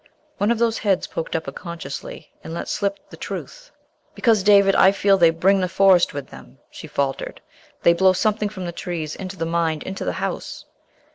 One of those heads poked up unconsciously, and let slip the truth. "Because, David, I feel they bring the Forest with them," she faltered. "They blow something from the trees into the mind into the house."